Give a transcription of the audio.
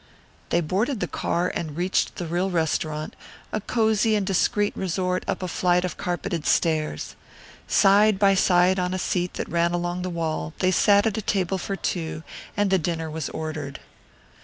They boarded the car and reached the real restaurant, a cozy and discreet resort up a flight of carpeted stairs. Side by side on a seat that ran along the wall they sat at a table for two and the dinner was ordered.